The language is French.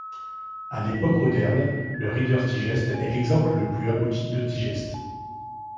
À l'époque moderne, le Reader's Digest est l'exemple le plus abouti de digeste.